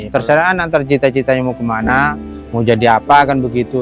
terserahan antar cita citanya mau kemana mau jadi apa kan begitu